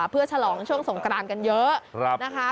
เพื่อฉลองช่วงสงกรานกันเยอะนะคะ